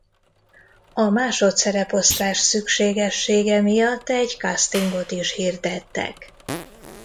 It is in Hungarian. A másodszereposztás szükségessége miatt egy castingot is hirdettek.